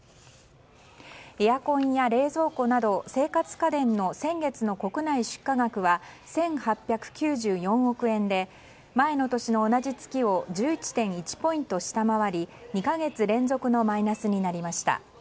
エアコンや冷蔵庫など生活家電の先月の国内出荷額は１８９４億円で前の年の同じ月を１１．１ポイント下回り２か月連続のマイナスになりました。